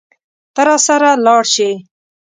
ته راسره لاړ شې.